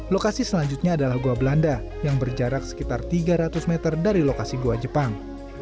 lokasi selanjutnya adalah gua belanda yang berjarak sekitar tiga ratus meter dari lokasi gua jepang